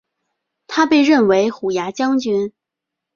他被任为虎牙将军。